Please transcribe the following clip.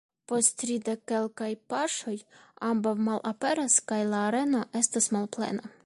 Post tridek-kelkaj paŝoj ambaŭ malaperas kaj la areno estas malplena.